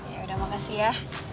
ya udah makasih ya